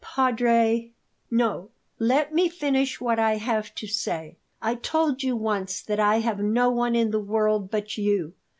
"Padre " "No; let me finish what I have to say. I told you once that I have no one in the world but you.